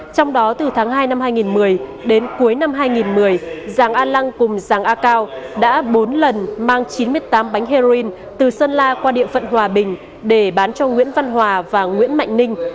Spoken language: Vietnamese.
trong đó từ tháng hai năm hai nghìn một mươi đến cuối năm hai nghìn một mươi giàng a lăng cùng giàng a cao đã bốn lần mang chín mươi tám bánh heroin từ sơn la qua địa phận hòa bình để bán cho nguyễn văn hòa và nguyễn mạnh ninh